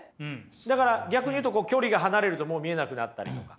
だから逆に言うと距離が離れるともう見えなくなったりとか。